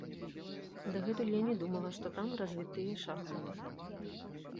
Дагэтуль я не думала, што там развітыя шахматы.